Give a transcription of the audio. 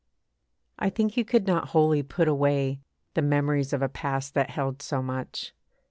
I think you could not wholly put away The memories of a past that held so much.